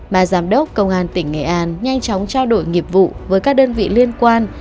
bà giám đốc công an tỉnh nghệ an nhanh chóng trao đổi nghiệp vụ với các đơn vị liên quan